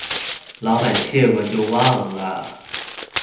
老闆謝過就忘了